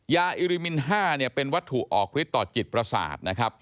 ยาอิริมิน๕เป็นวัตถุออกฤทธิ์ต่อจิตประสาท